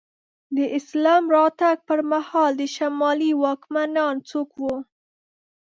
د اسلام راتګ پر مهال د شمالي واکمنان څوک وو؟